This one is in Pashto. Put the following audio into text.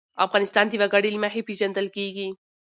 افغانستان د وګړي له مخې پېژندل کېږي.